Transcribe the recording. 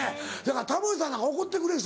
タモリさんなんか怒ってくれる人